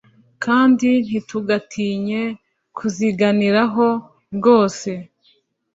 kandi ntitugatinye kuziganiraho rwose.